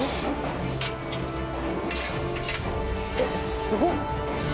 「えっすごっ！」